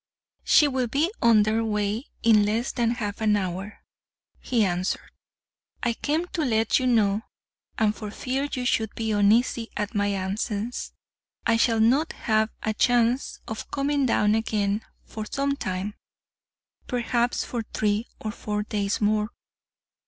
"She will be under weigh in less than half an hour," he answered. "I came to let you know, and for fear you should be uneasy at my absence. I shall not have a chance of coming down again for some time—perhaps for three or four days more.